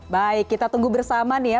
baik kita tunggu bersama nih ya